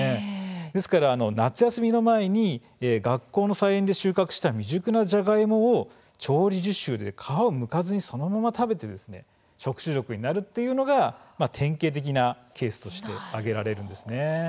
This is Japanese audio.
ですから夏休みの前に学校の菜園で収穫した未熟なジャガイモを調理実習で皮をむかずにそのまま食べて食中毒になるというのが典型的なケースとして挙げられるんです。